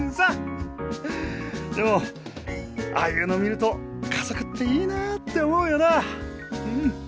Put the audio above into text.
でもああいうの見ると家族っていいなって思うよなあうん。